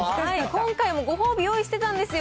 今回もご褒美用意してたんですよ。